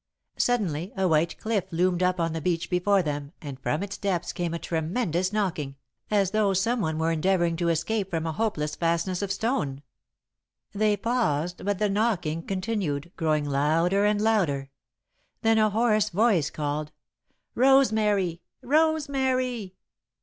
Suddenly a white cliff loomed up on the beach before them and from its depths came a tremendous knocking, as though some one were endeavouring to escape from a hopeless fastness of stone. [Sidenote: A Stroke] They paused, but the knocking continued, growing louder and louder. Then a hoarse voice called "Rosemary! Rosemary!"